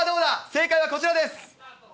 正解はこちらです。